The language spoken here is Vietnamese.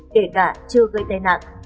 kể cả chưa gây tai nạn